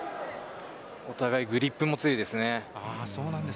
お互いグリップも強いですね。